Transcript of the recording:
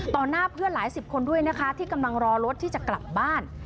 หน้าเพื่อนหลายสิบคนด้วยนะคะที่กำลังรอรถที่จะกลับบ้าน